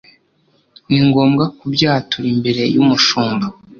ni ngombwa kubyatura imbere yumushumba